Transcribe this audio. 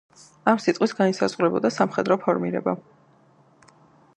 ამ სიტყვით განისაზღვრებოდა სამხედრო ფორმირება.